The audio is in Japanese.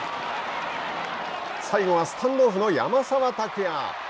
最後はスタンドオフの山沢拓也。